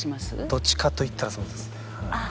どっちかと言ったらそうですね。